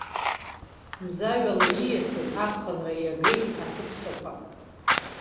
Мзаҩала ииасыз аԥхынра иагеит асыԥсақәа.